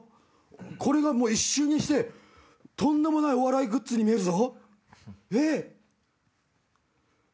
これが一瞬にしてとんでもないお笑いグッズに見えるぞ！